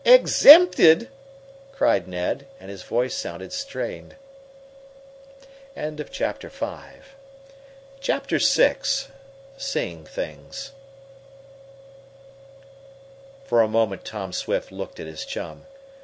"Exempted?" Cried Ned, and his voice sounded strained. Chapter VI Seeing Things For a moment Tom Swift looked at his chum.